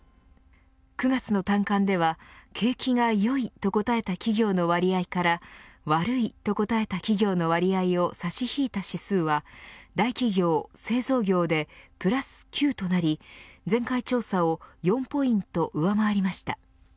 ９月の短観では景気が良いと答えた企業の割合から悪いと答えた企業の割合を差し引いた指数は大企業・製造業でプラス９となり前回調査を４ポイント上回りました。